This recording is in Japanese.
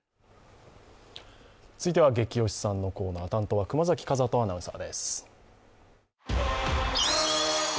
続いてはゲキ推しさんのコーナー、担当は熊崎風斗アナウンサーです。